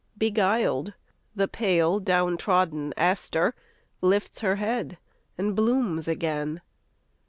Beguiled, the pale down trodden aster lifts Her head and blooms again.